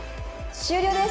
「終了です。